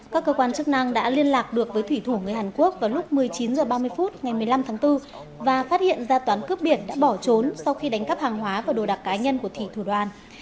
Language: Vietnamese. các cơ quan chức năng đã liên lạc được với thủy thủ người hàn quốc vào lúc một mươi chín h ba mươi phút ngày một mươi năm tháng bốn và phát hiện ra toán cướp biển đã bỏ trốn sau khi đánh cắp hàng hóa và đồ đạc cá nhân của thủy thủ đoàn